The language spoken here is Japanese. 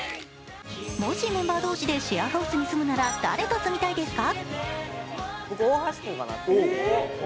もしメンバー同士でシェアハウスに住むなら誰と住みたいですか？